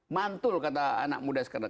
mantul kata anak muda sekarang